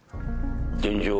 現状